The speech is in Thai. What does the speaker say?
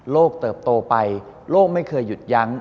เติบโตไปโลกไม่เคยหยุดยั้ง